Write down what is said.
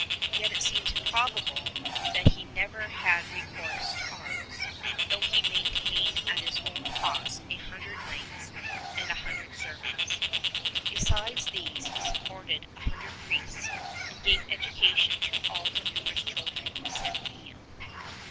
Yet it seems probable that he never had recourse to arms, though he maintained at his own cost a hundred knights and a hundred servants. Besides these he supported a hundred priests, and gave education to all the numerous children sent to him.